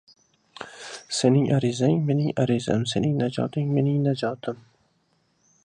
• Sening azang ― mening azam, sening najoting ― mening najotim.